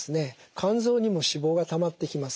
肝臓にも脂肪がたまってきます。